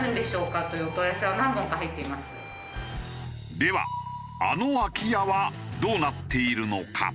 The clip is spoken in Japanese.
ではあの空き家はどうなっているのか？